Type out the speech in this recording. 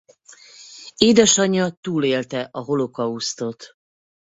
Édesanyja túlélte a holokausztot.